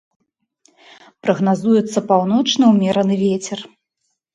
Прагназуецца паўночны ўмераны вецер.